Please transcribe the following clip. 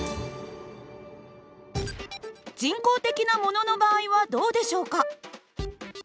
人工的なものの場合はどうでしょうか。